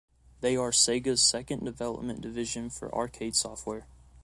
They are Sega's second development division for arcade software.